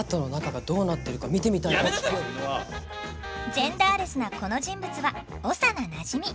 ジェンダーレスなこの人物は長名なじみ。